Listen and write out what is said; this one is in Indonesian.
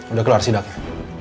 udah kelar sidangnya